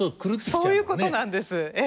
そういうことなんですええ。